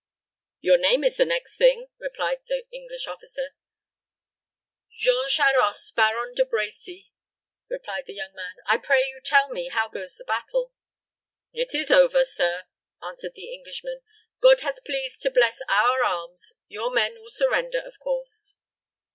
"Your name is the next thing," replied the English officer. "Jean Charost, Baron de Brecy," replied the young man. "I pray you tell me how goes the battle?" "It is over, sir," answered the Englishman. "God has been pleased to bless our arms. Your men will surrender, of course."